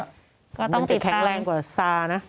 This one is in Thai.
ก็ต้องติดตามมันจะแข็งแรงกว่าซาร์นะ